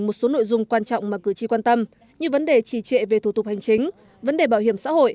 một số nội dung quan trọng mà cử tri quan tâm như vấn đề trì trệ về thủ tục hành chính vấn đề bảo hiểm xã hội